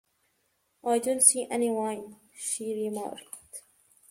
‘I don’t see any wine,’ she remarked.